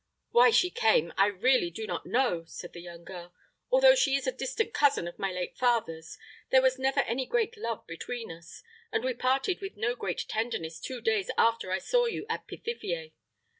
"Why she came, I really do not know," said the young girl. "Although she is a distant cousin of my late father's, there was never any great love between us, and we parted with no great tenderness two days after I saw you at Pithiviers.